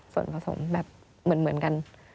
ส่วนผสมแบบเหมือนกัน